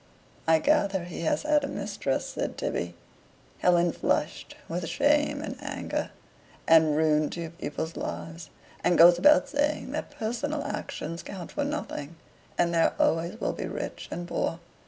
"I gather he has had a mistress," said Tibby. Helen flushed with shame and anger. "And ruined two people's lives. And goes about saying that personal actions count for nothing, and there always will be rich and poor.